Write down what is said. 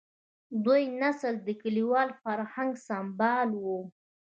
دویم نسل د کلیوال فرهنګ سمبال و.